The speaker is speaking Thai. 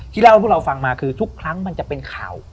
เล่าให้พวกเราฟังมาคือทุกครั้งมันจะเป็นข่าว